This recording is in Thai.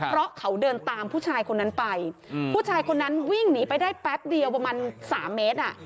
เพราะเขาเดินตามผู้ชายคนนั้นไปผู้ชายคนนั้นวิ่งหนีไปได้แป๊บเดียวประมาณ๓เมตร